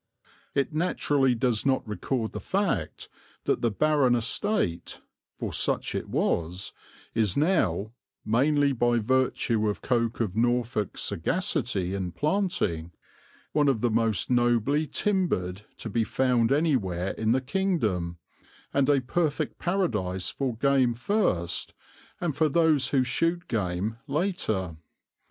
It naturally does not record the fact that the barren estate, for such it was, is now, mainly by virtue of Coke of Norfolk's sagacity in planting, one of the most nobly timbered to be found anywhere in the kingdom and a perfect paradise for game first and for those who shoot game later.